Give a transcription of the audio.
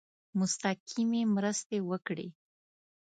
مستقیمي مرستي وکړي.